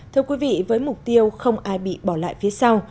thưa quý vị với mục tiêu không ai bị bỏ lại phía sau